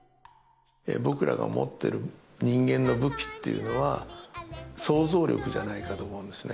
僕らが持ってる人間の武器っていうのは想像力じゃないかと思うんですね